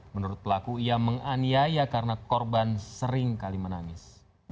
menurut pelaku ia menganyaya karena korban sering kali menangis